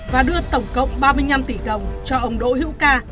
và đưa tổng cộng ba mươi năm tỷ đồng cho ông đỗ hữu ca